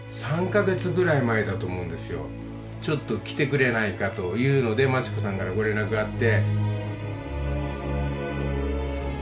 ちょっと来てくれないかというので町子さんからご連絡があって。